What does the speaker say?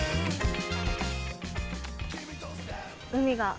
海が。